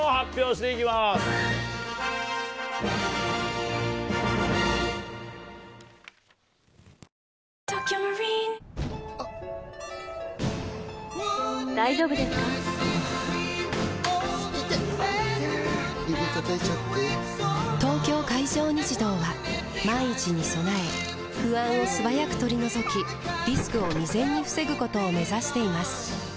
指たたいちゃって・・・「東京海上日動」は万一に備え不安を素早く取り除きリスクを未然に防ぐことを目指しています